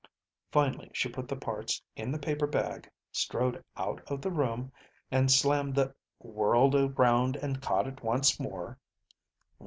Finally she put the parts in the paper bag, strode out of the room, and slammed the ... whirled around and caught it once more.